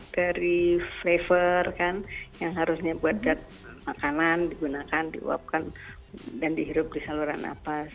dari flavor kan yang harusnya buat makanan digunakan diuapkan dan dihirup di saluran nafas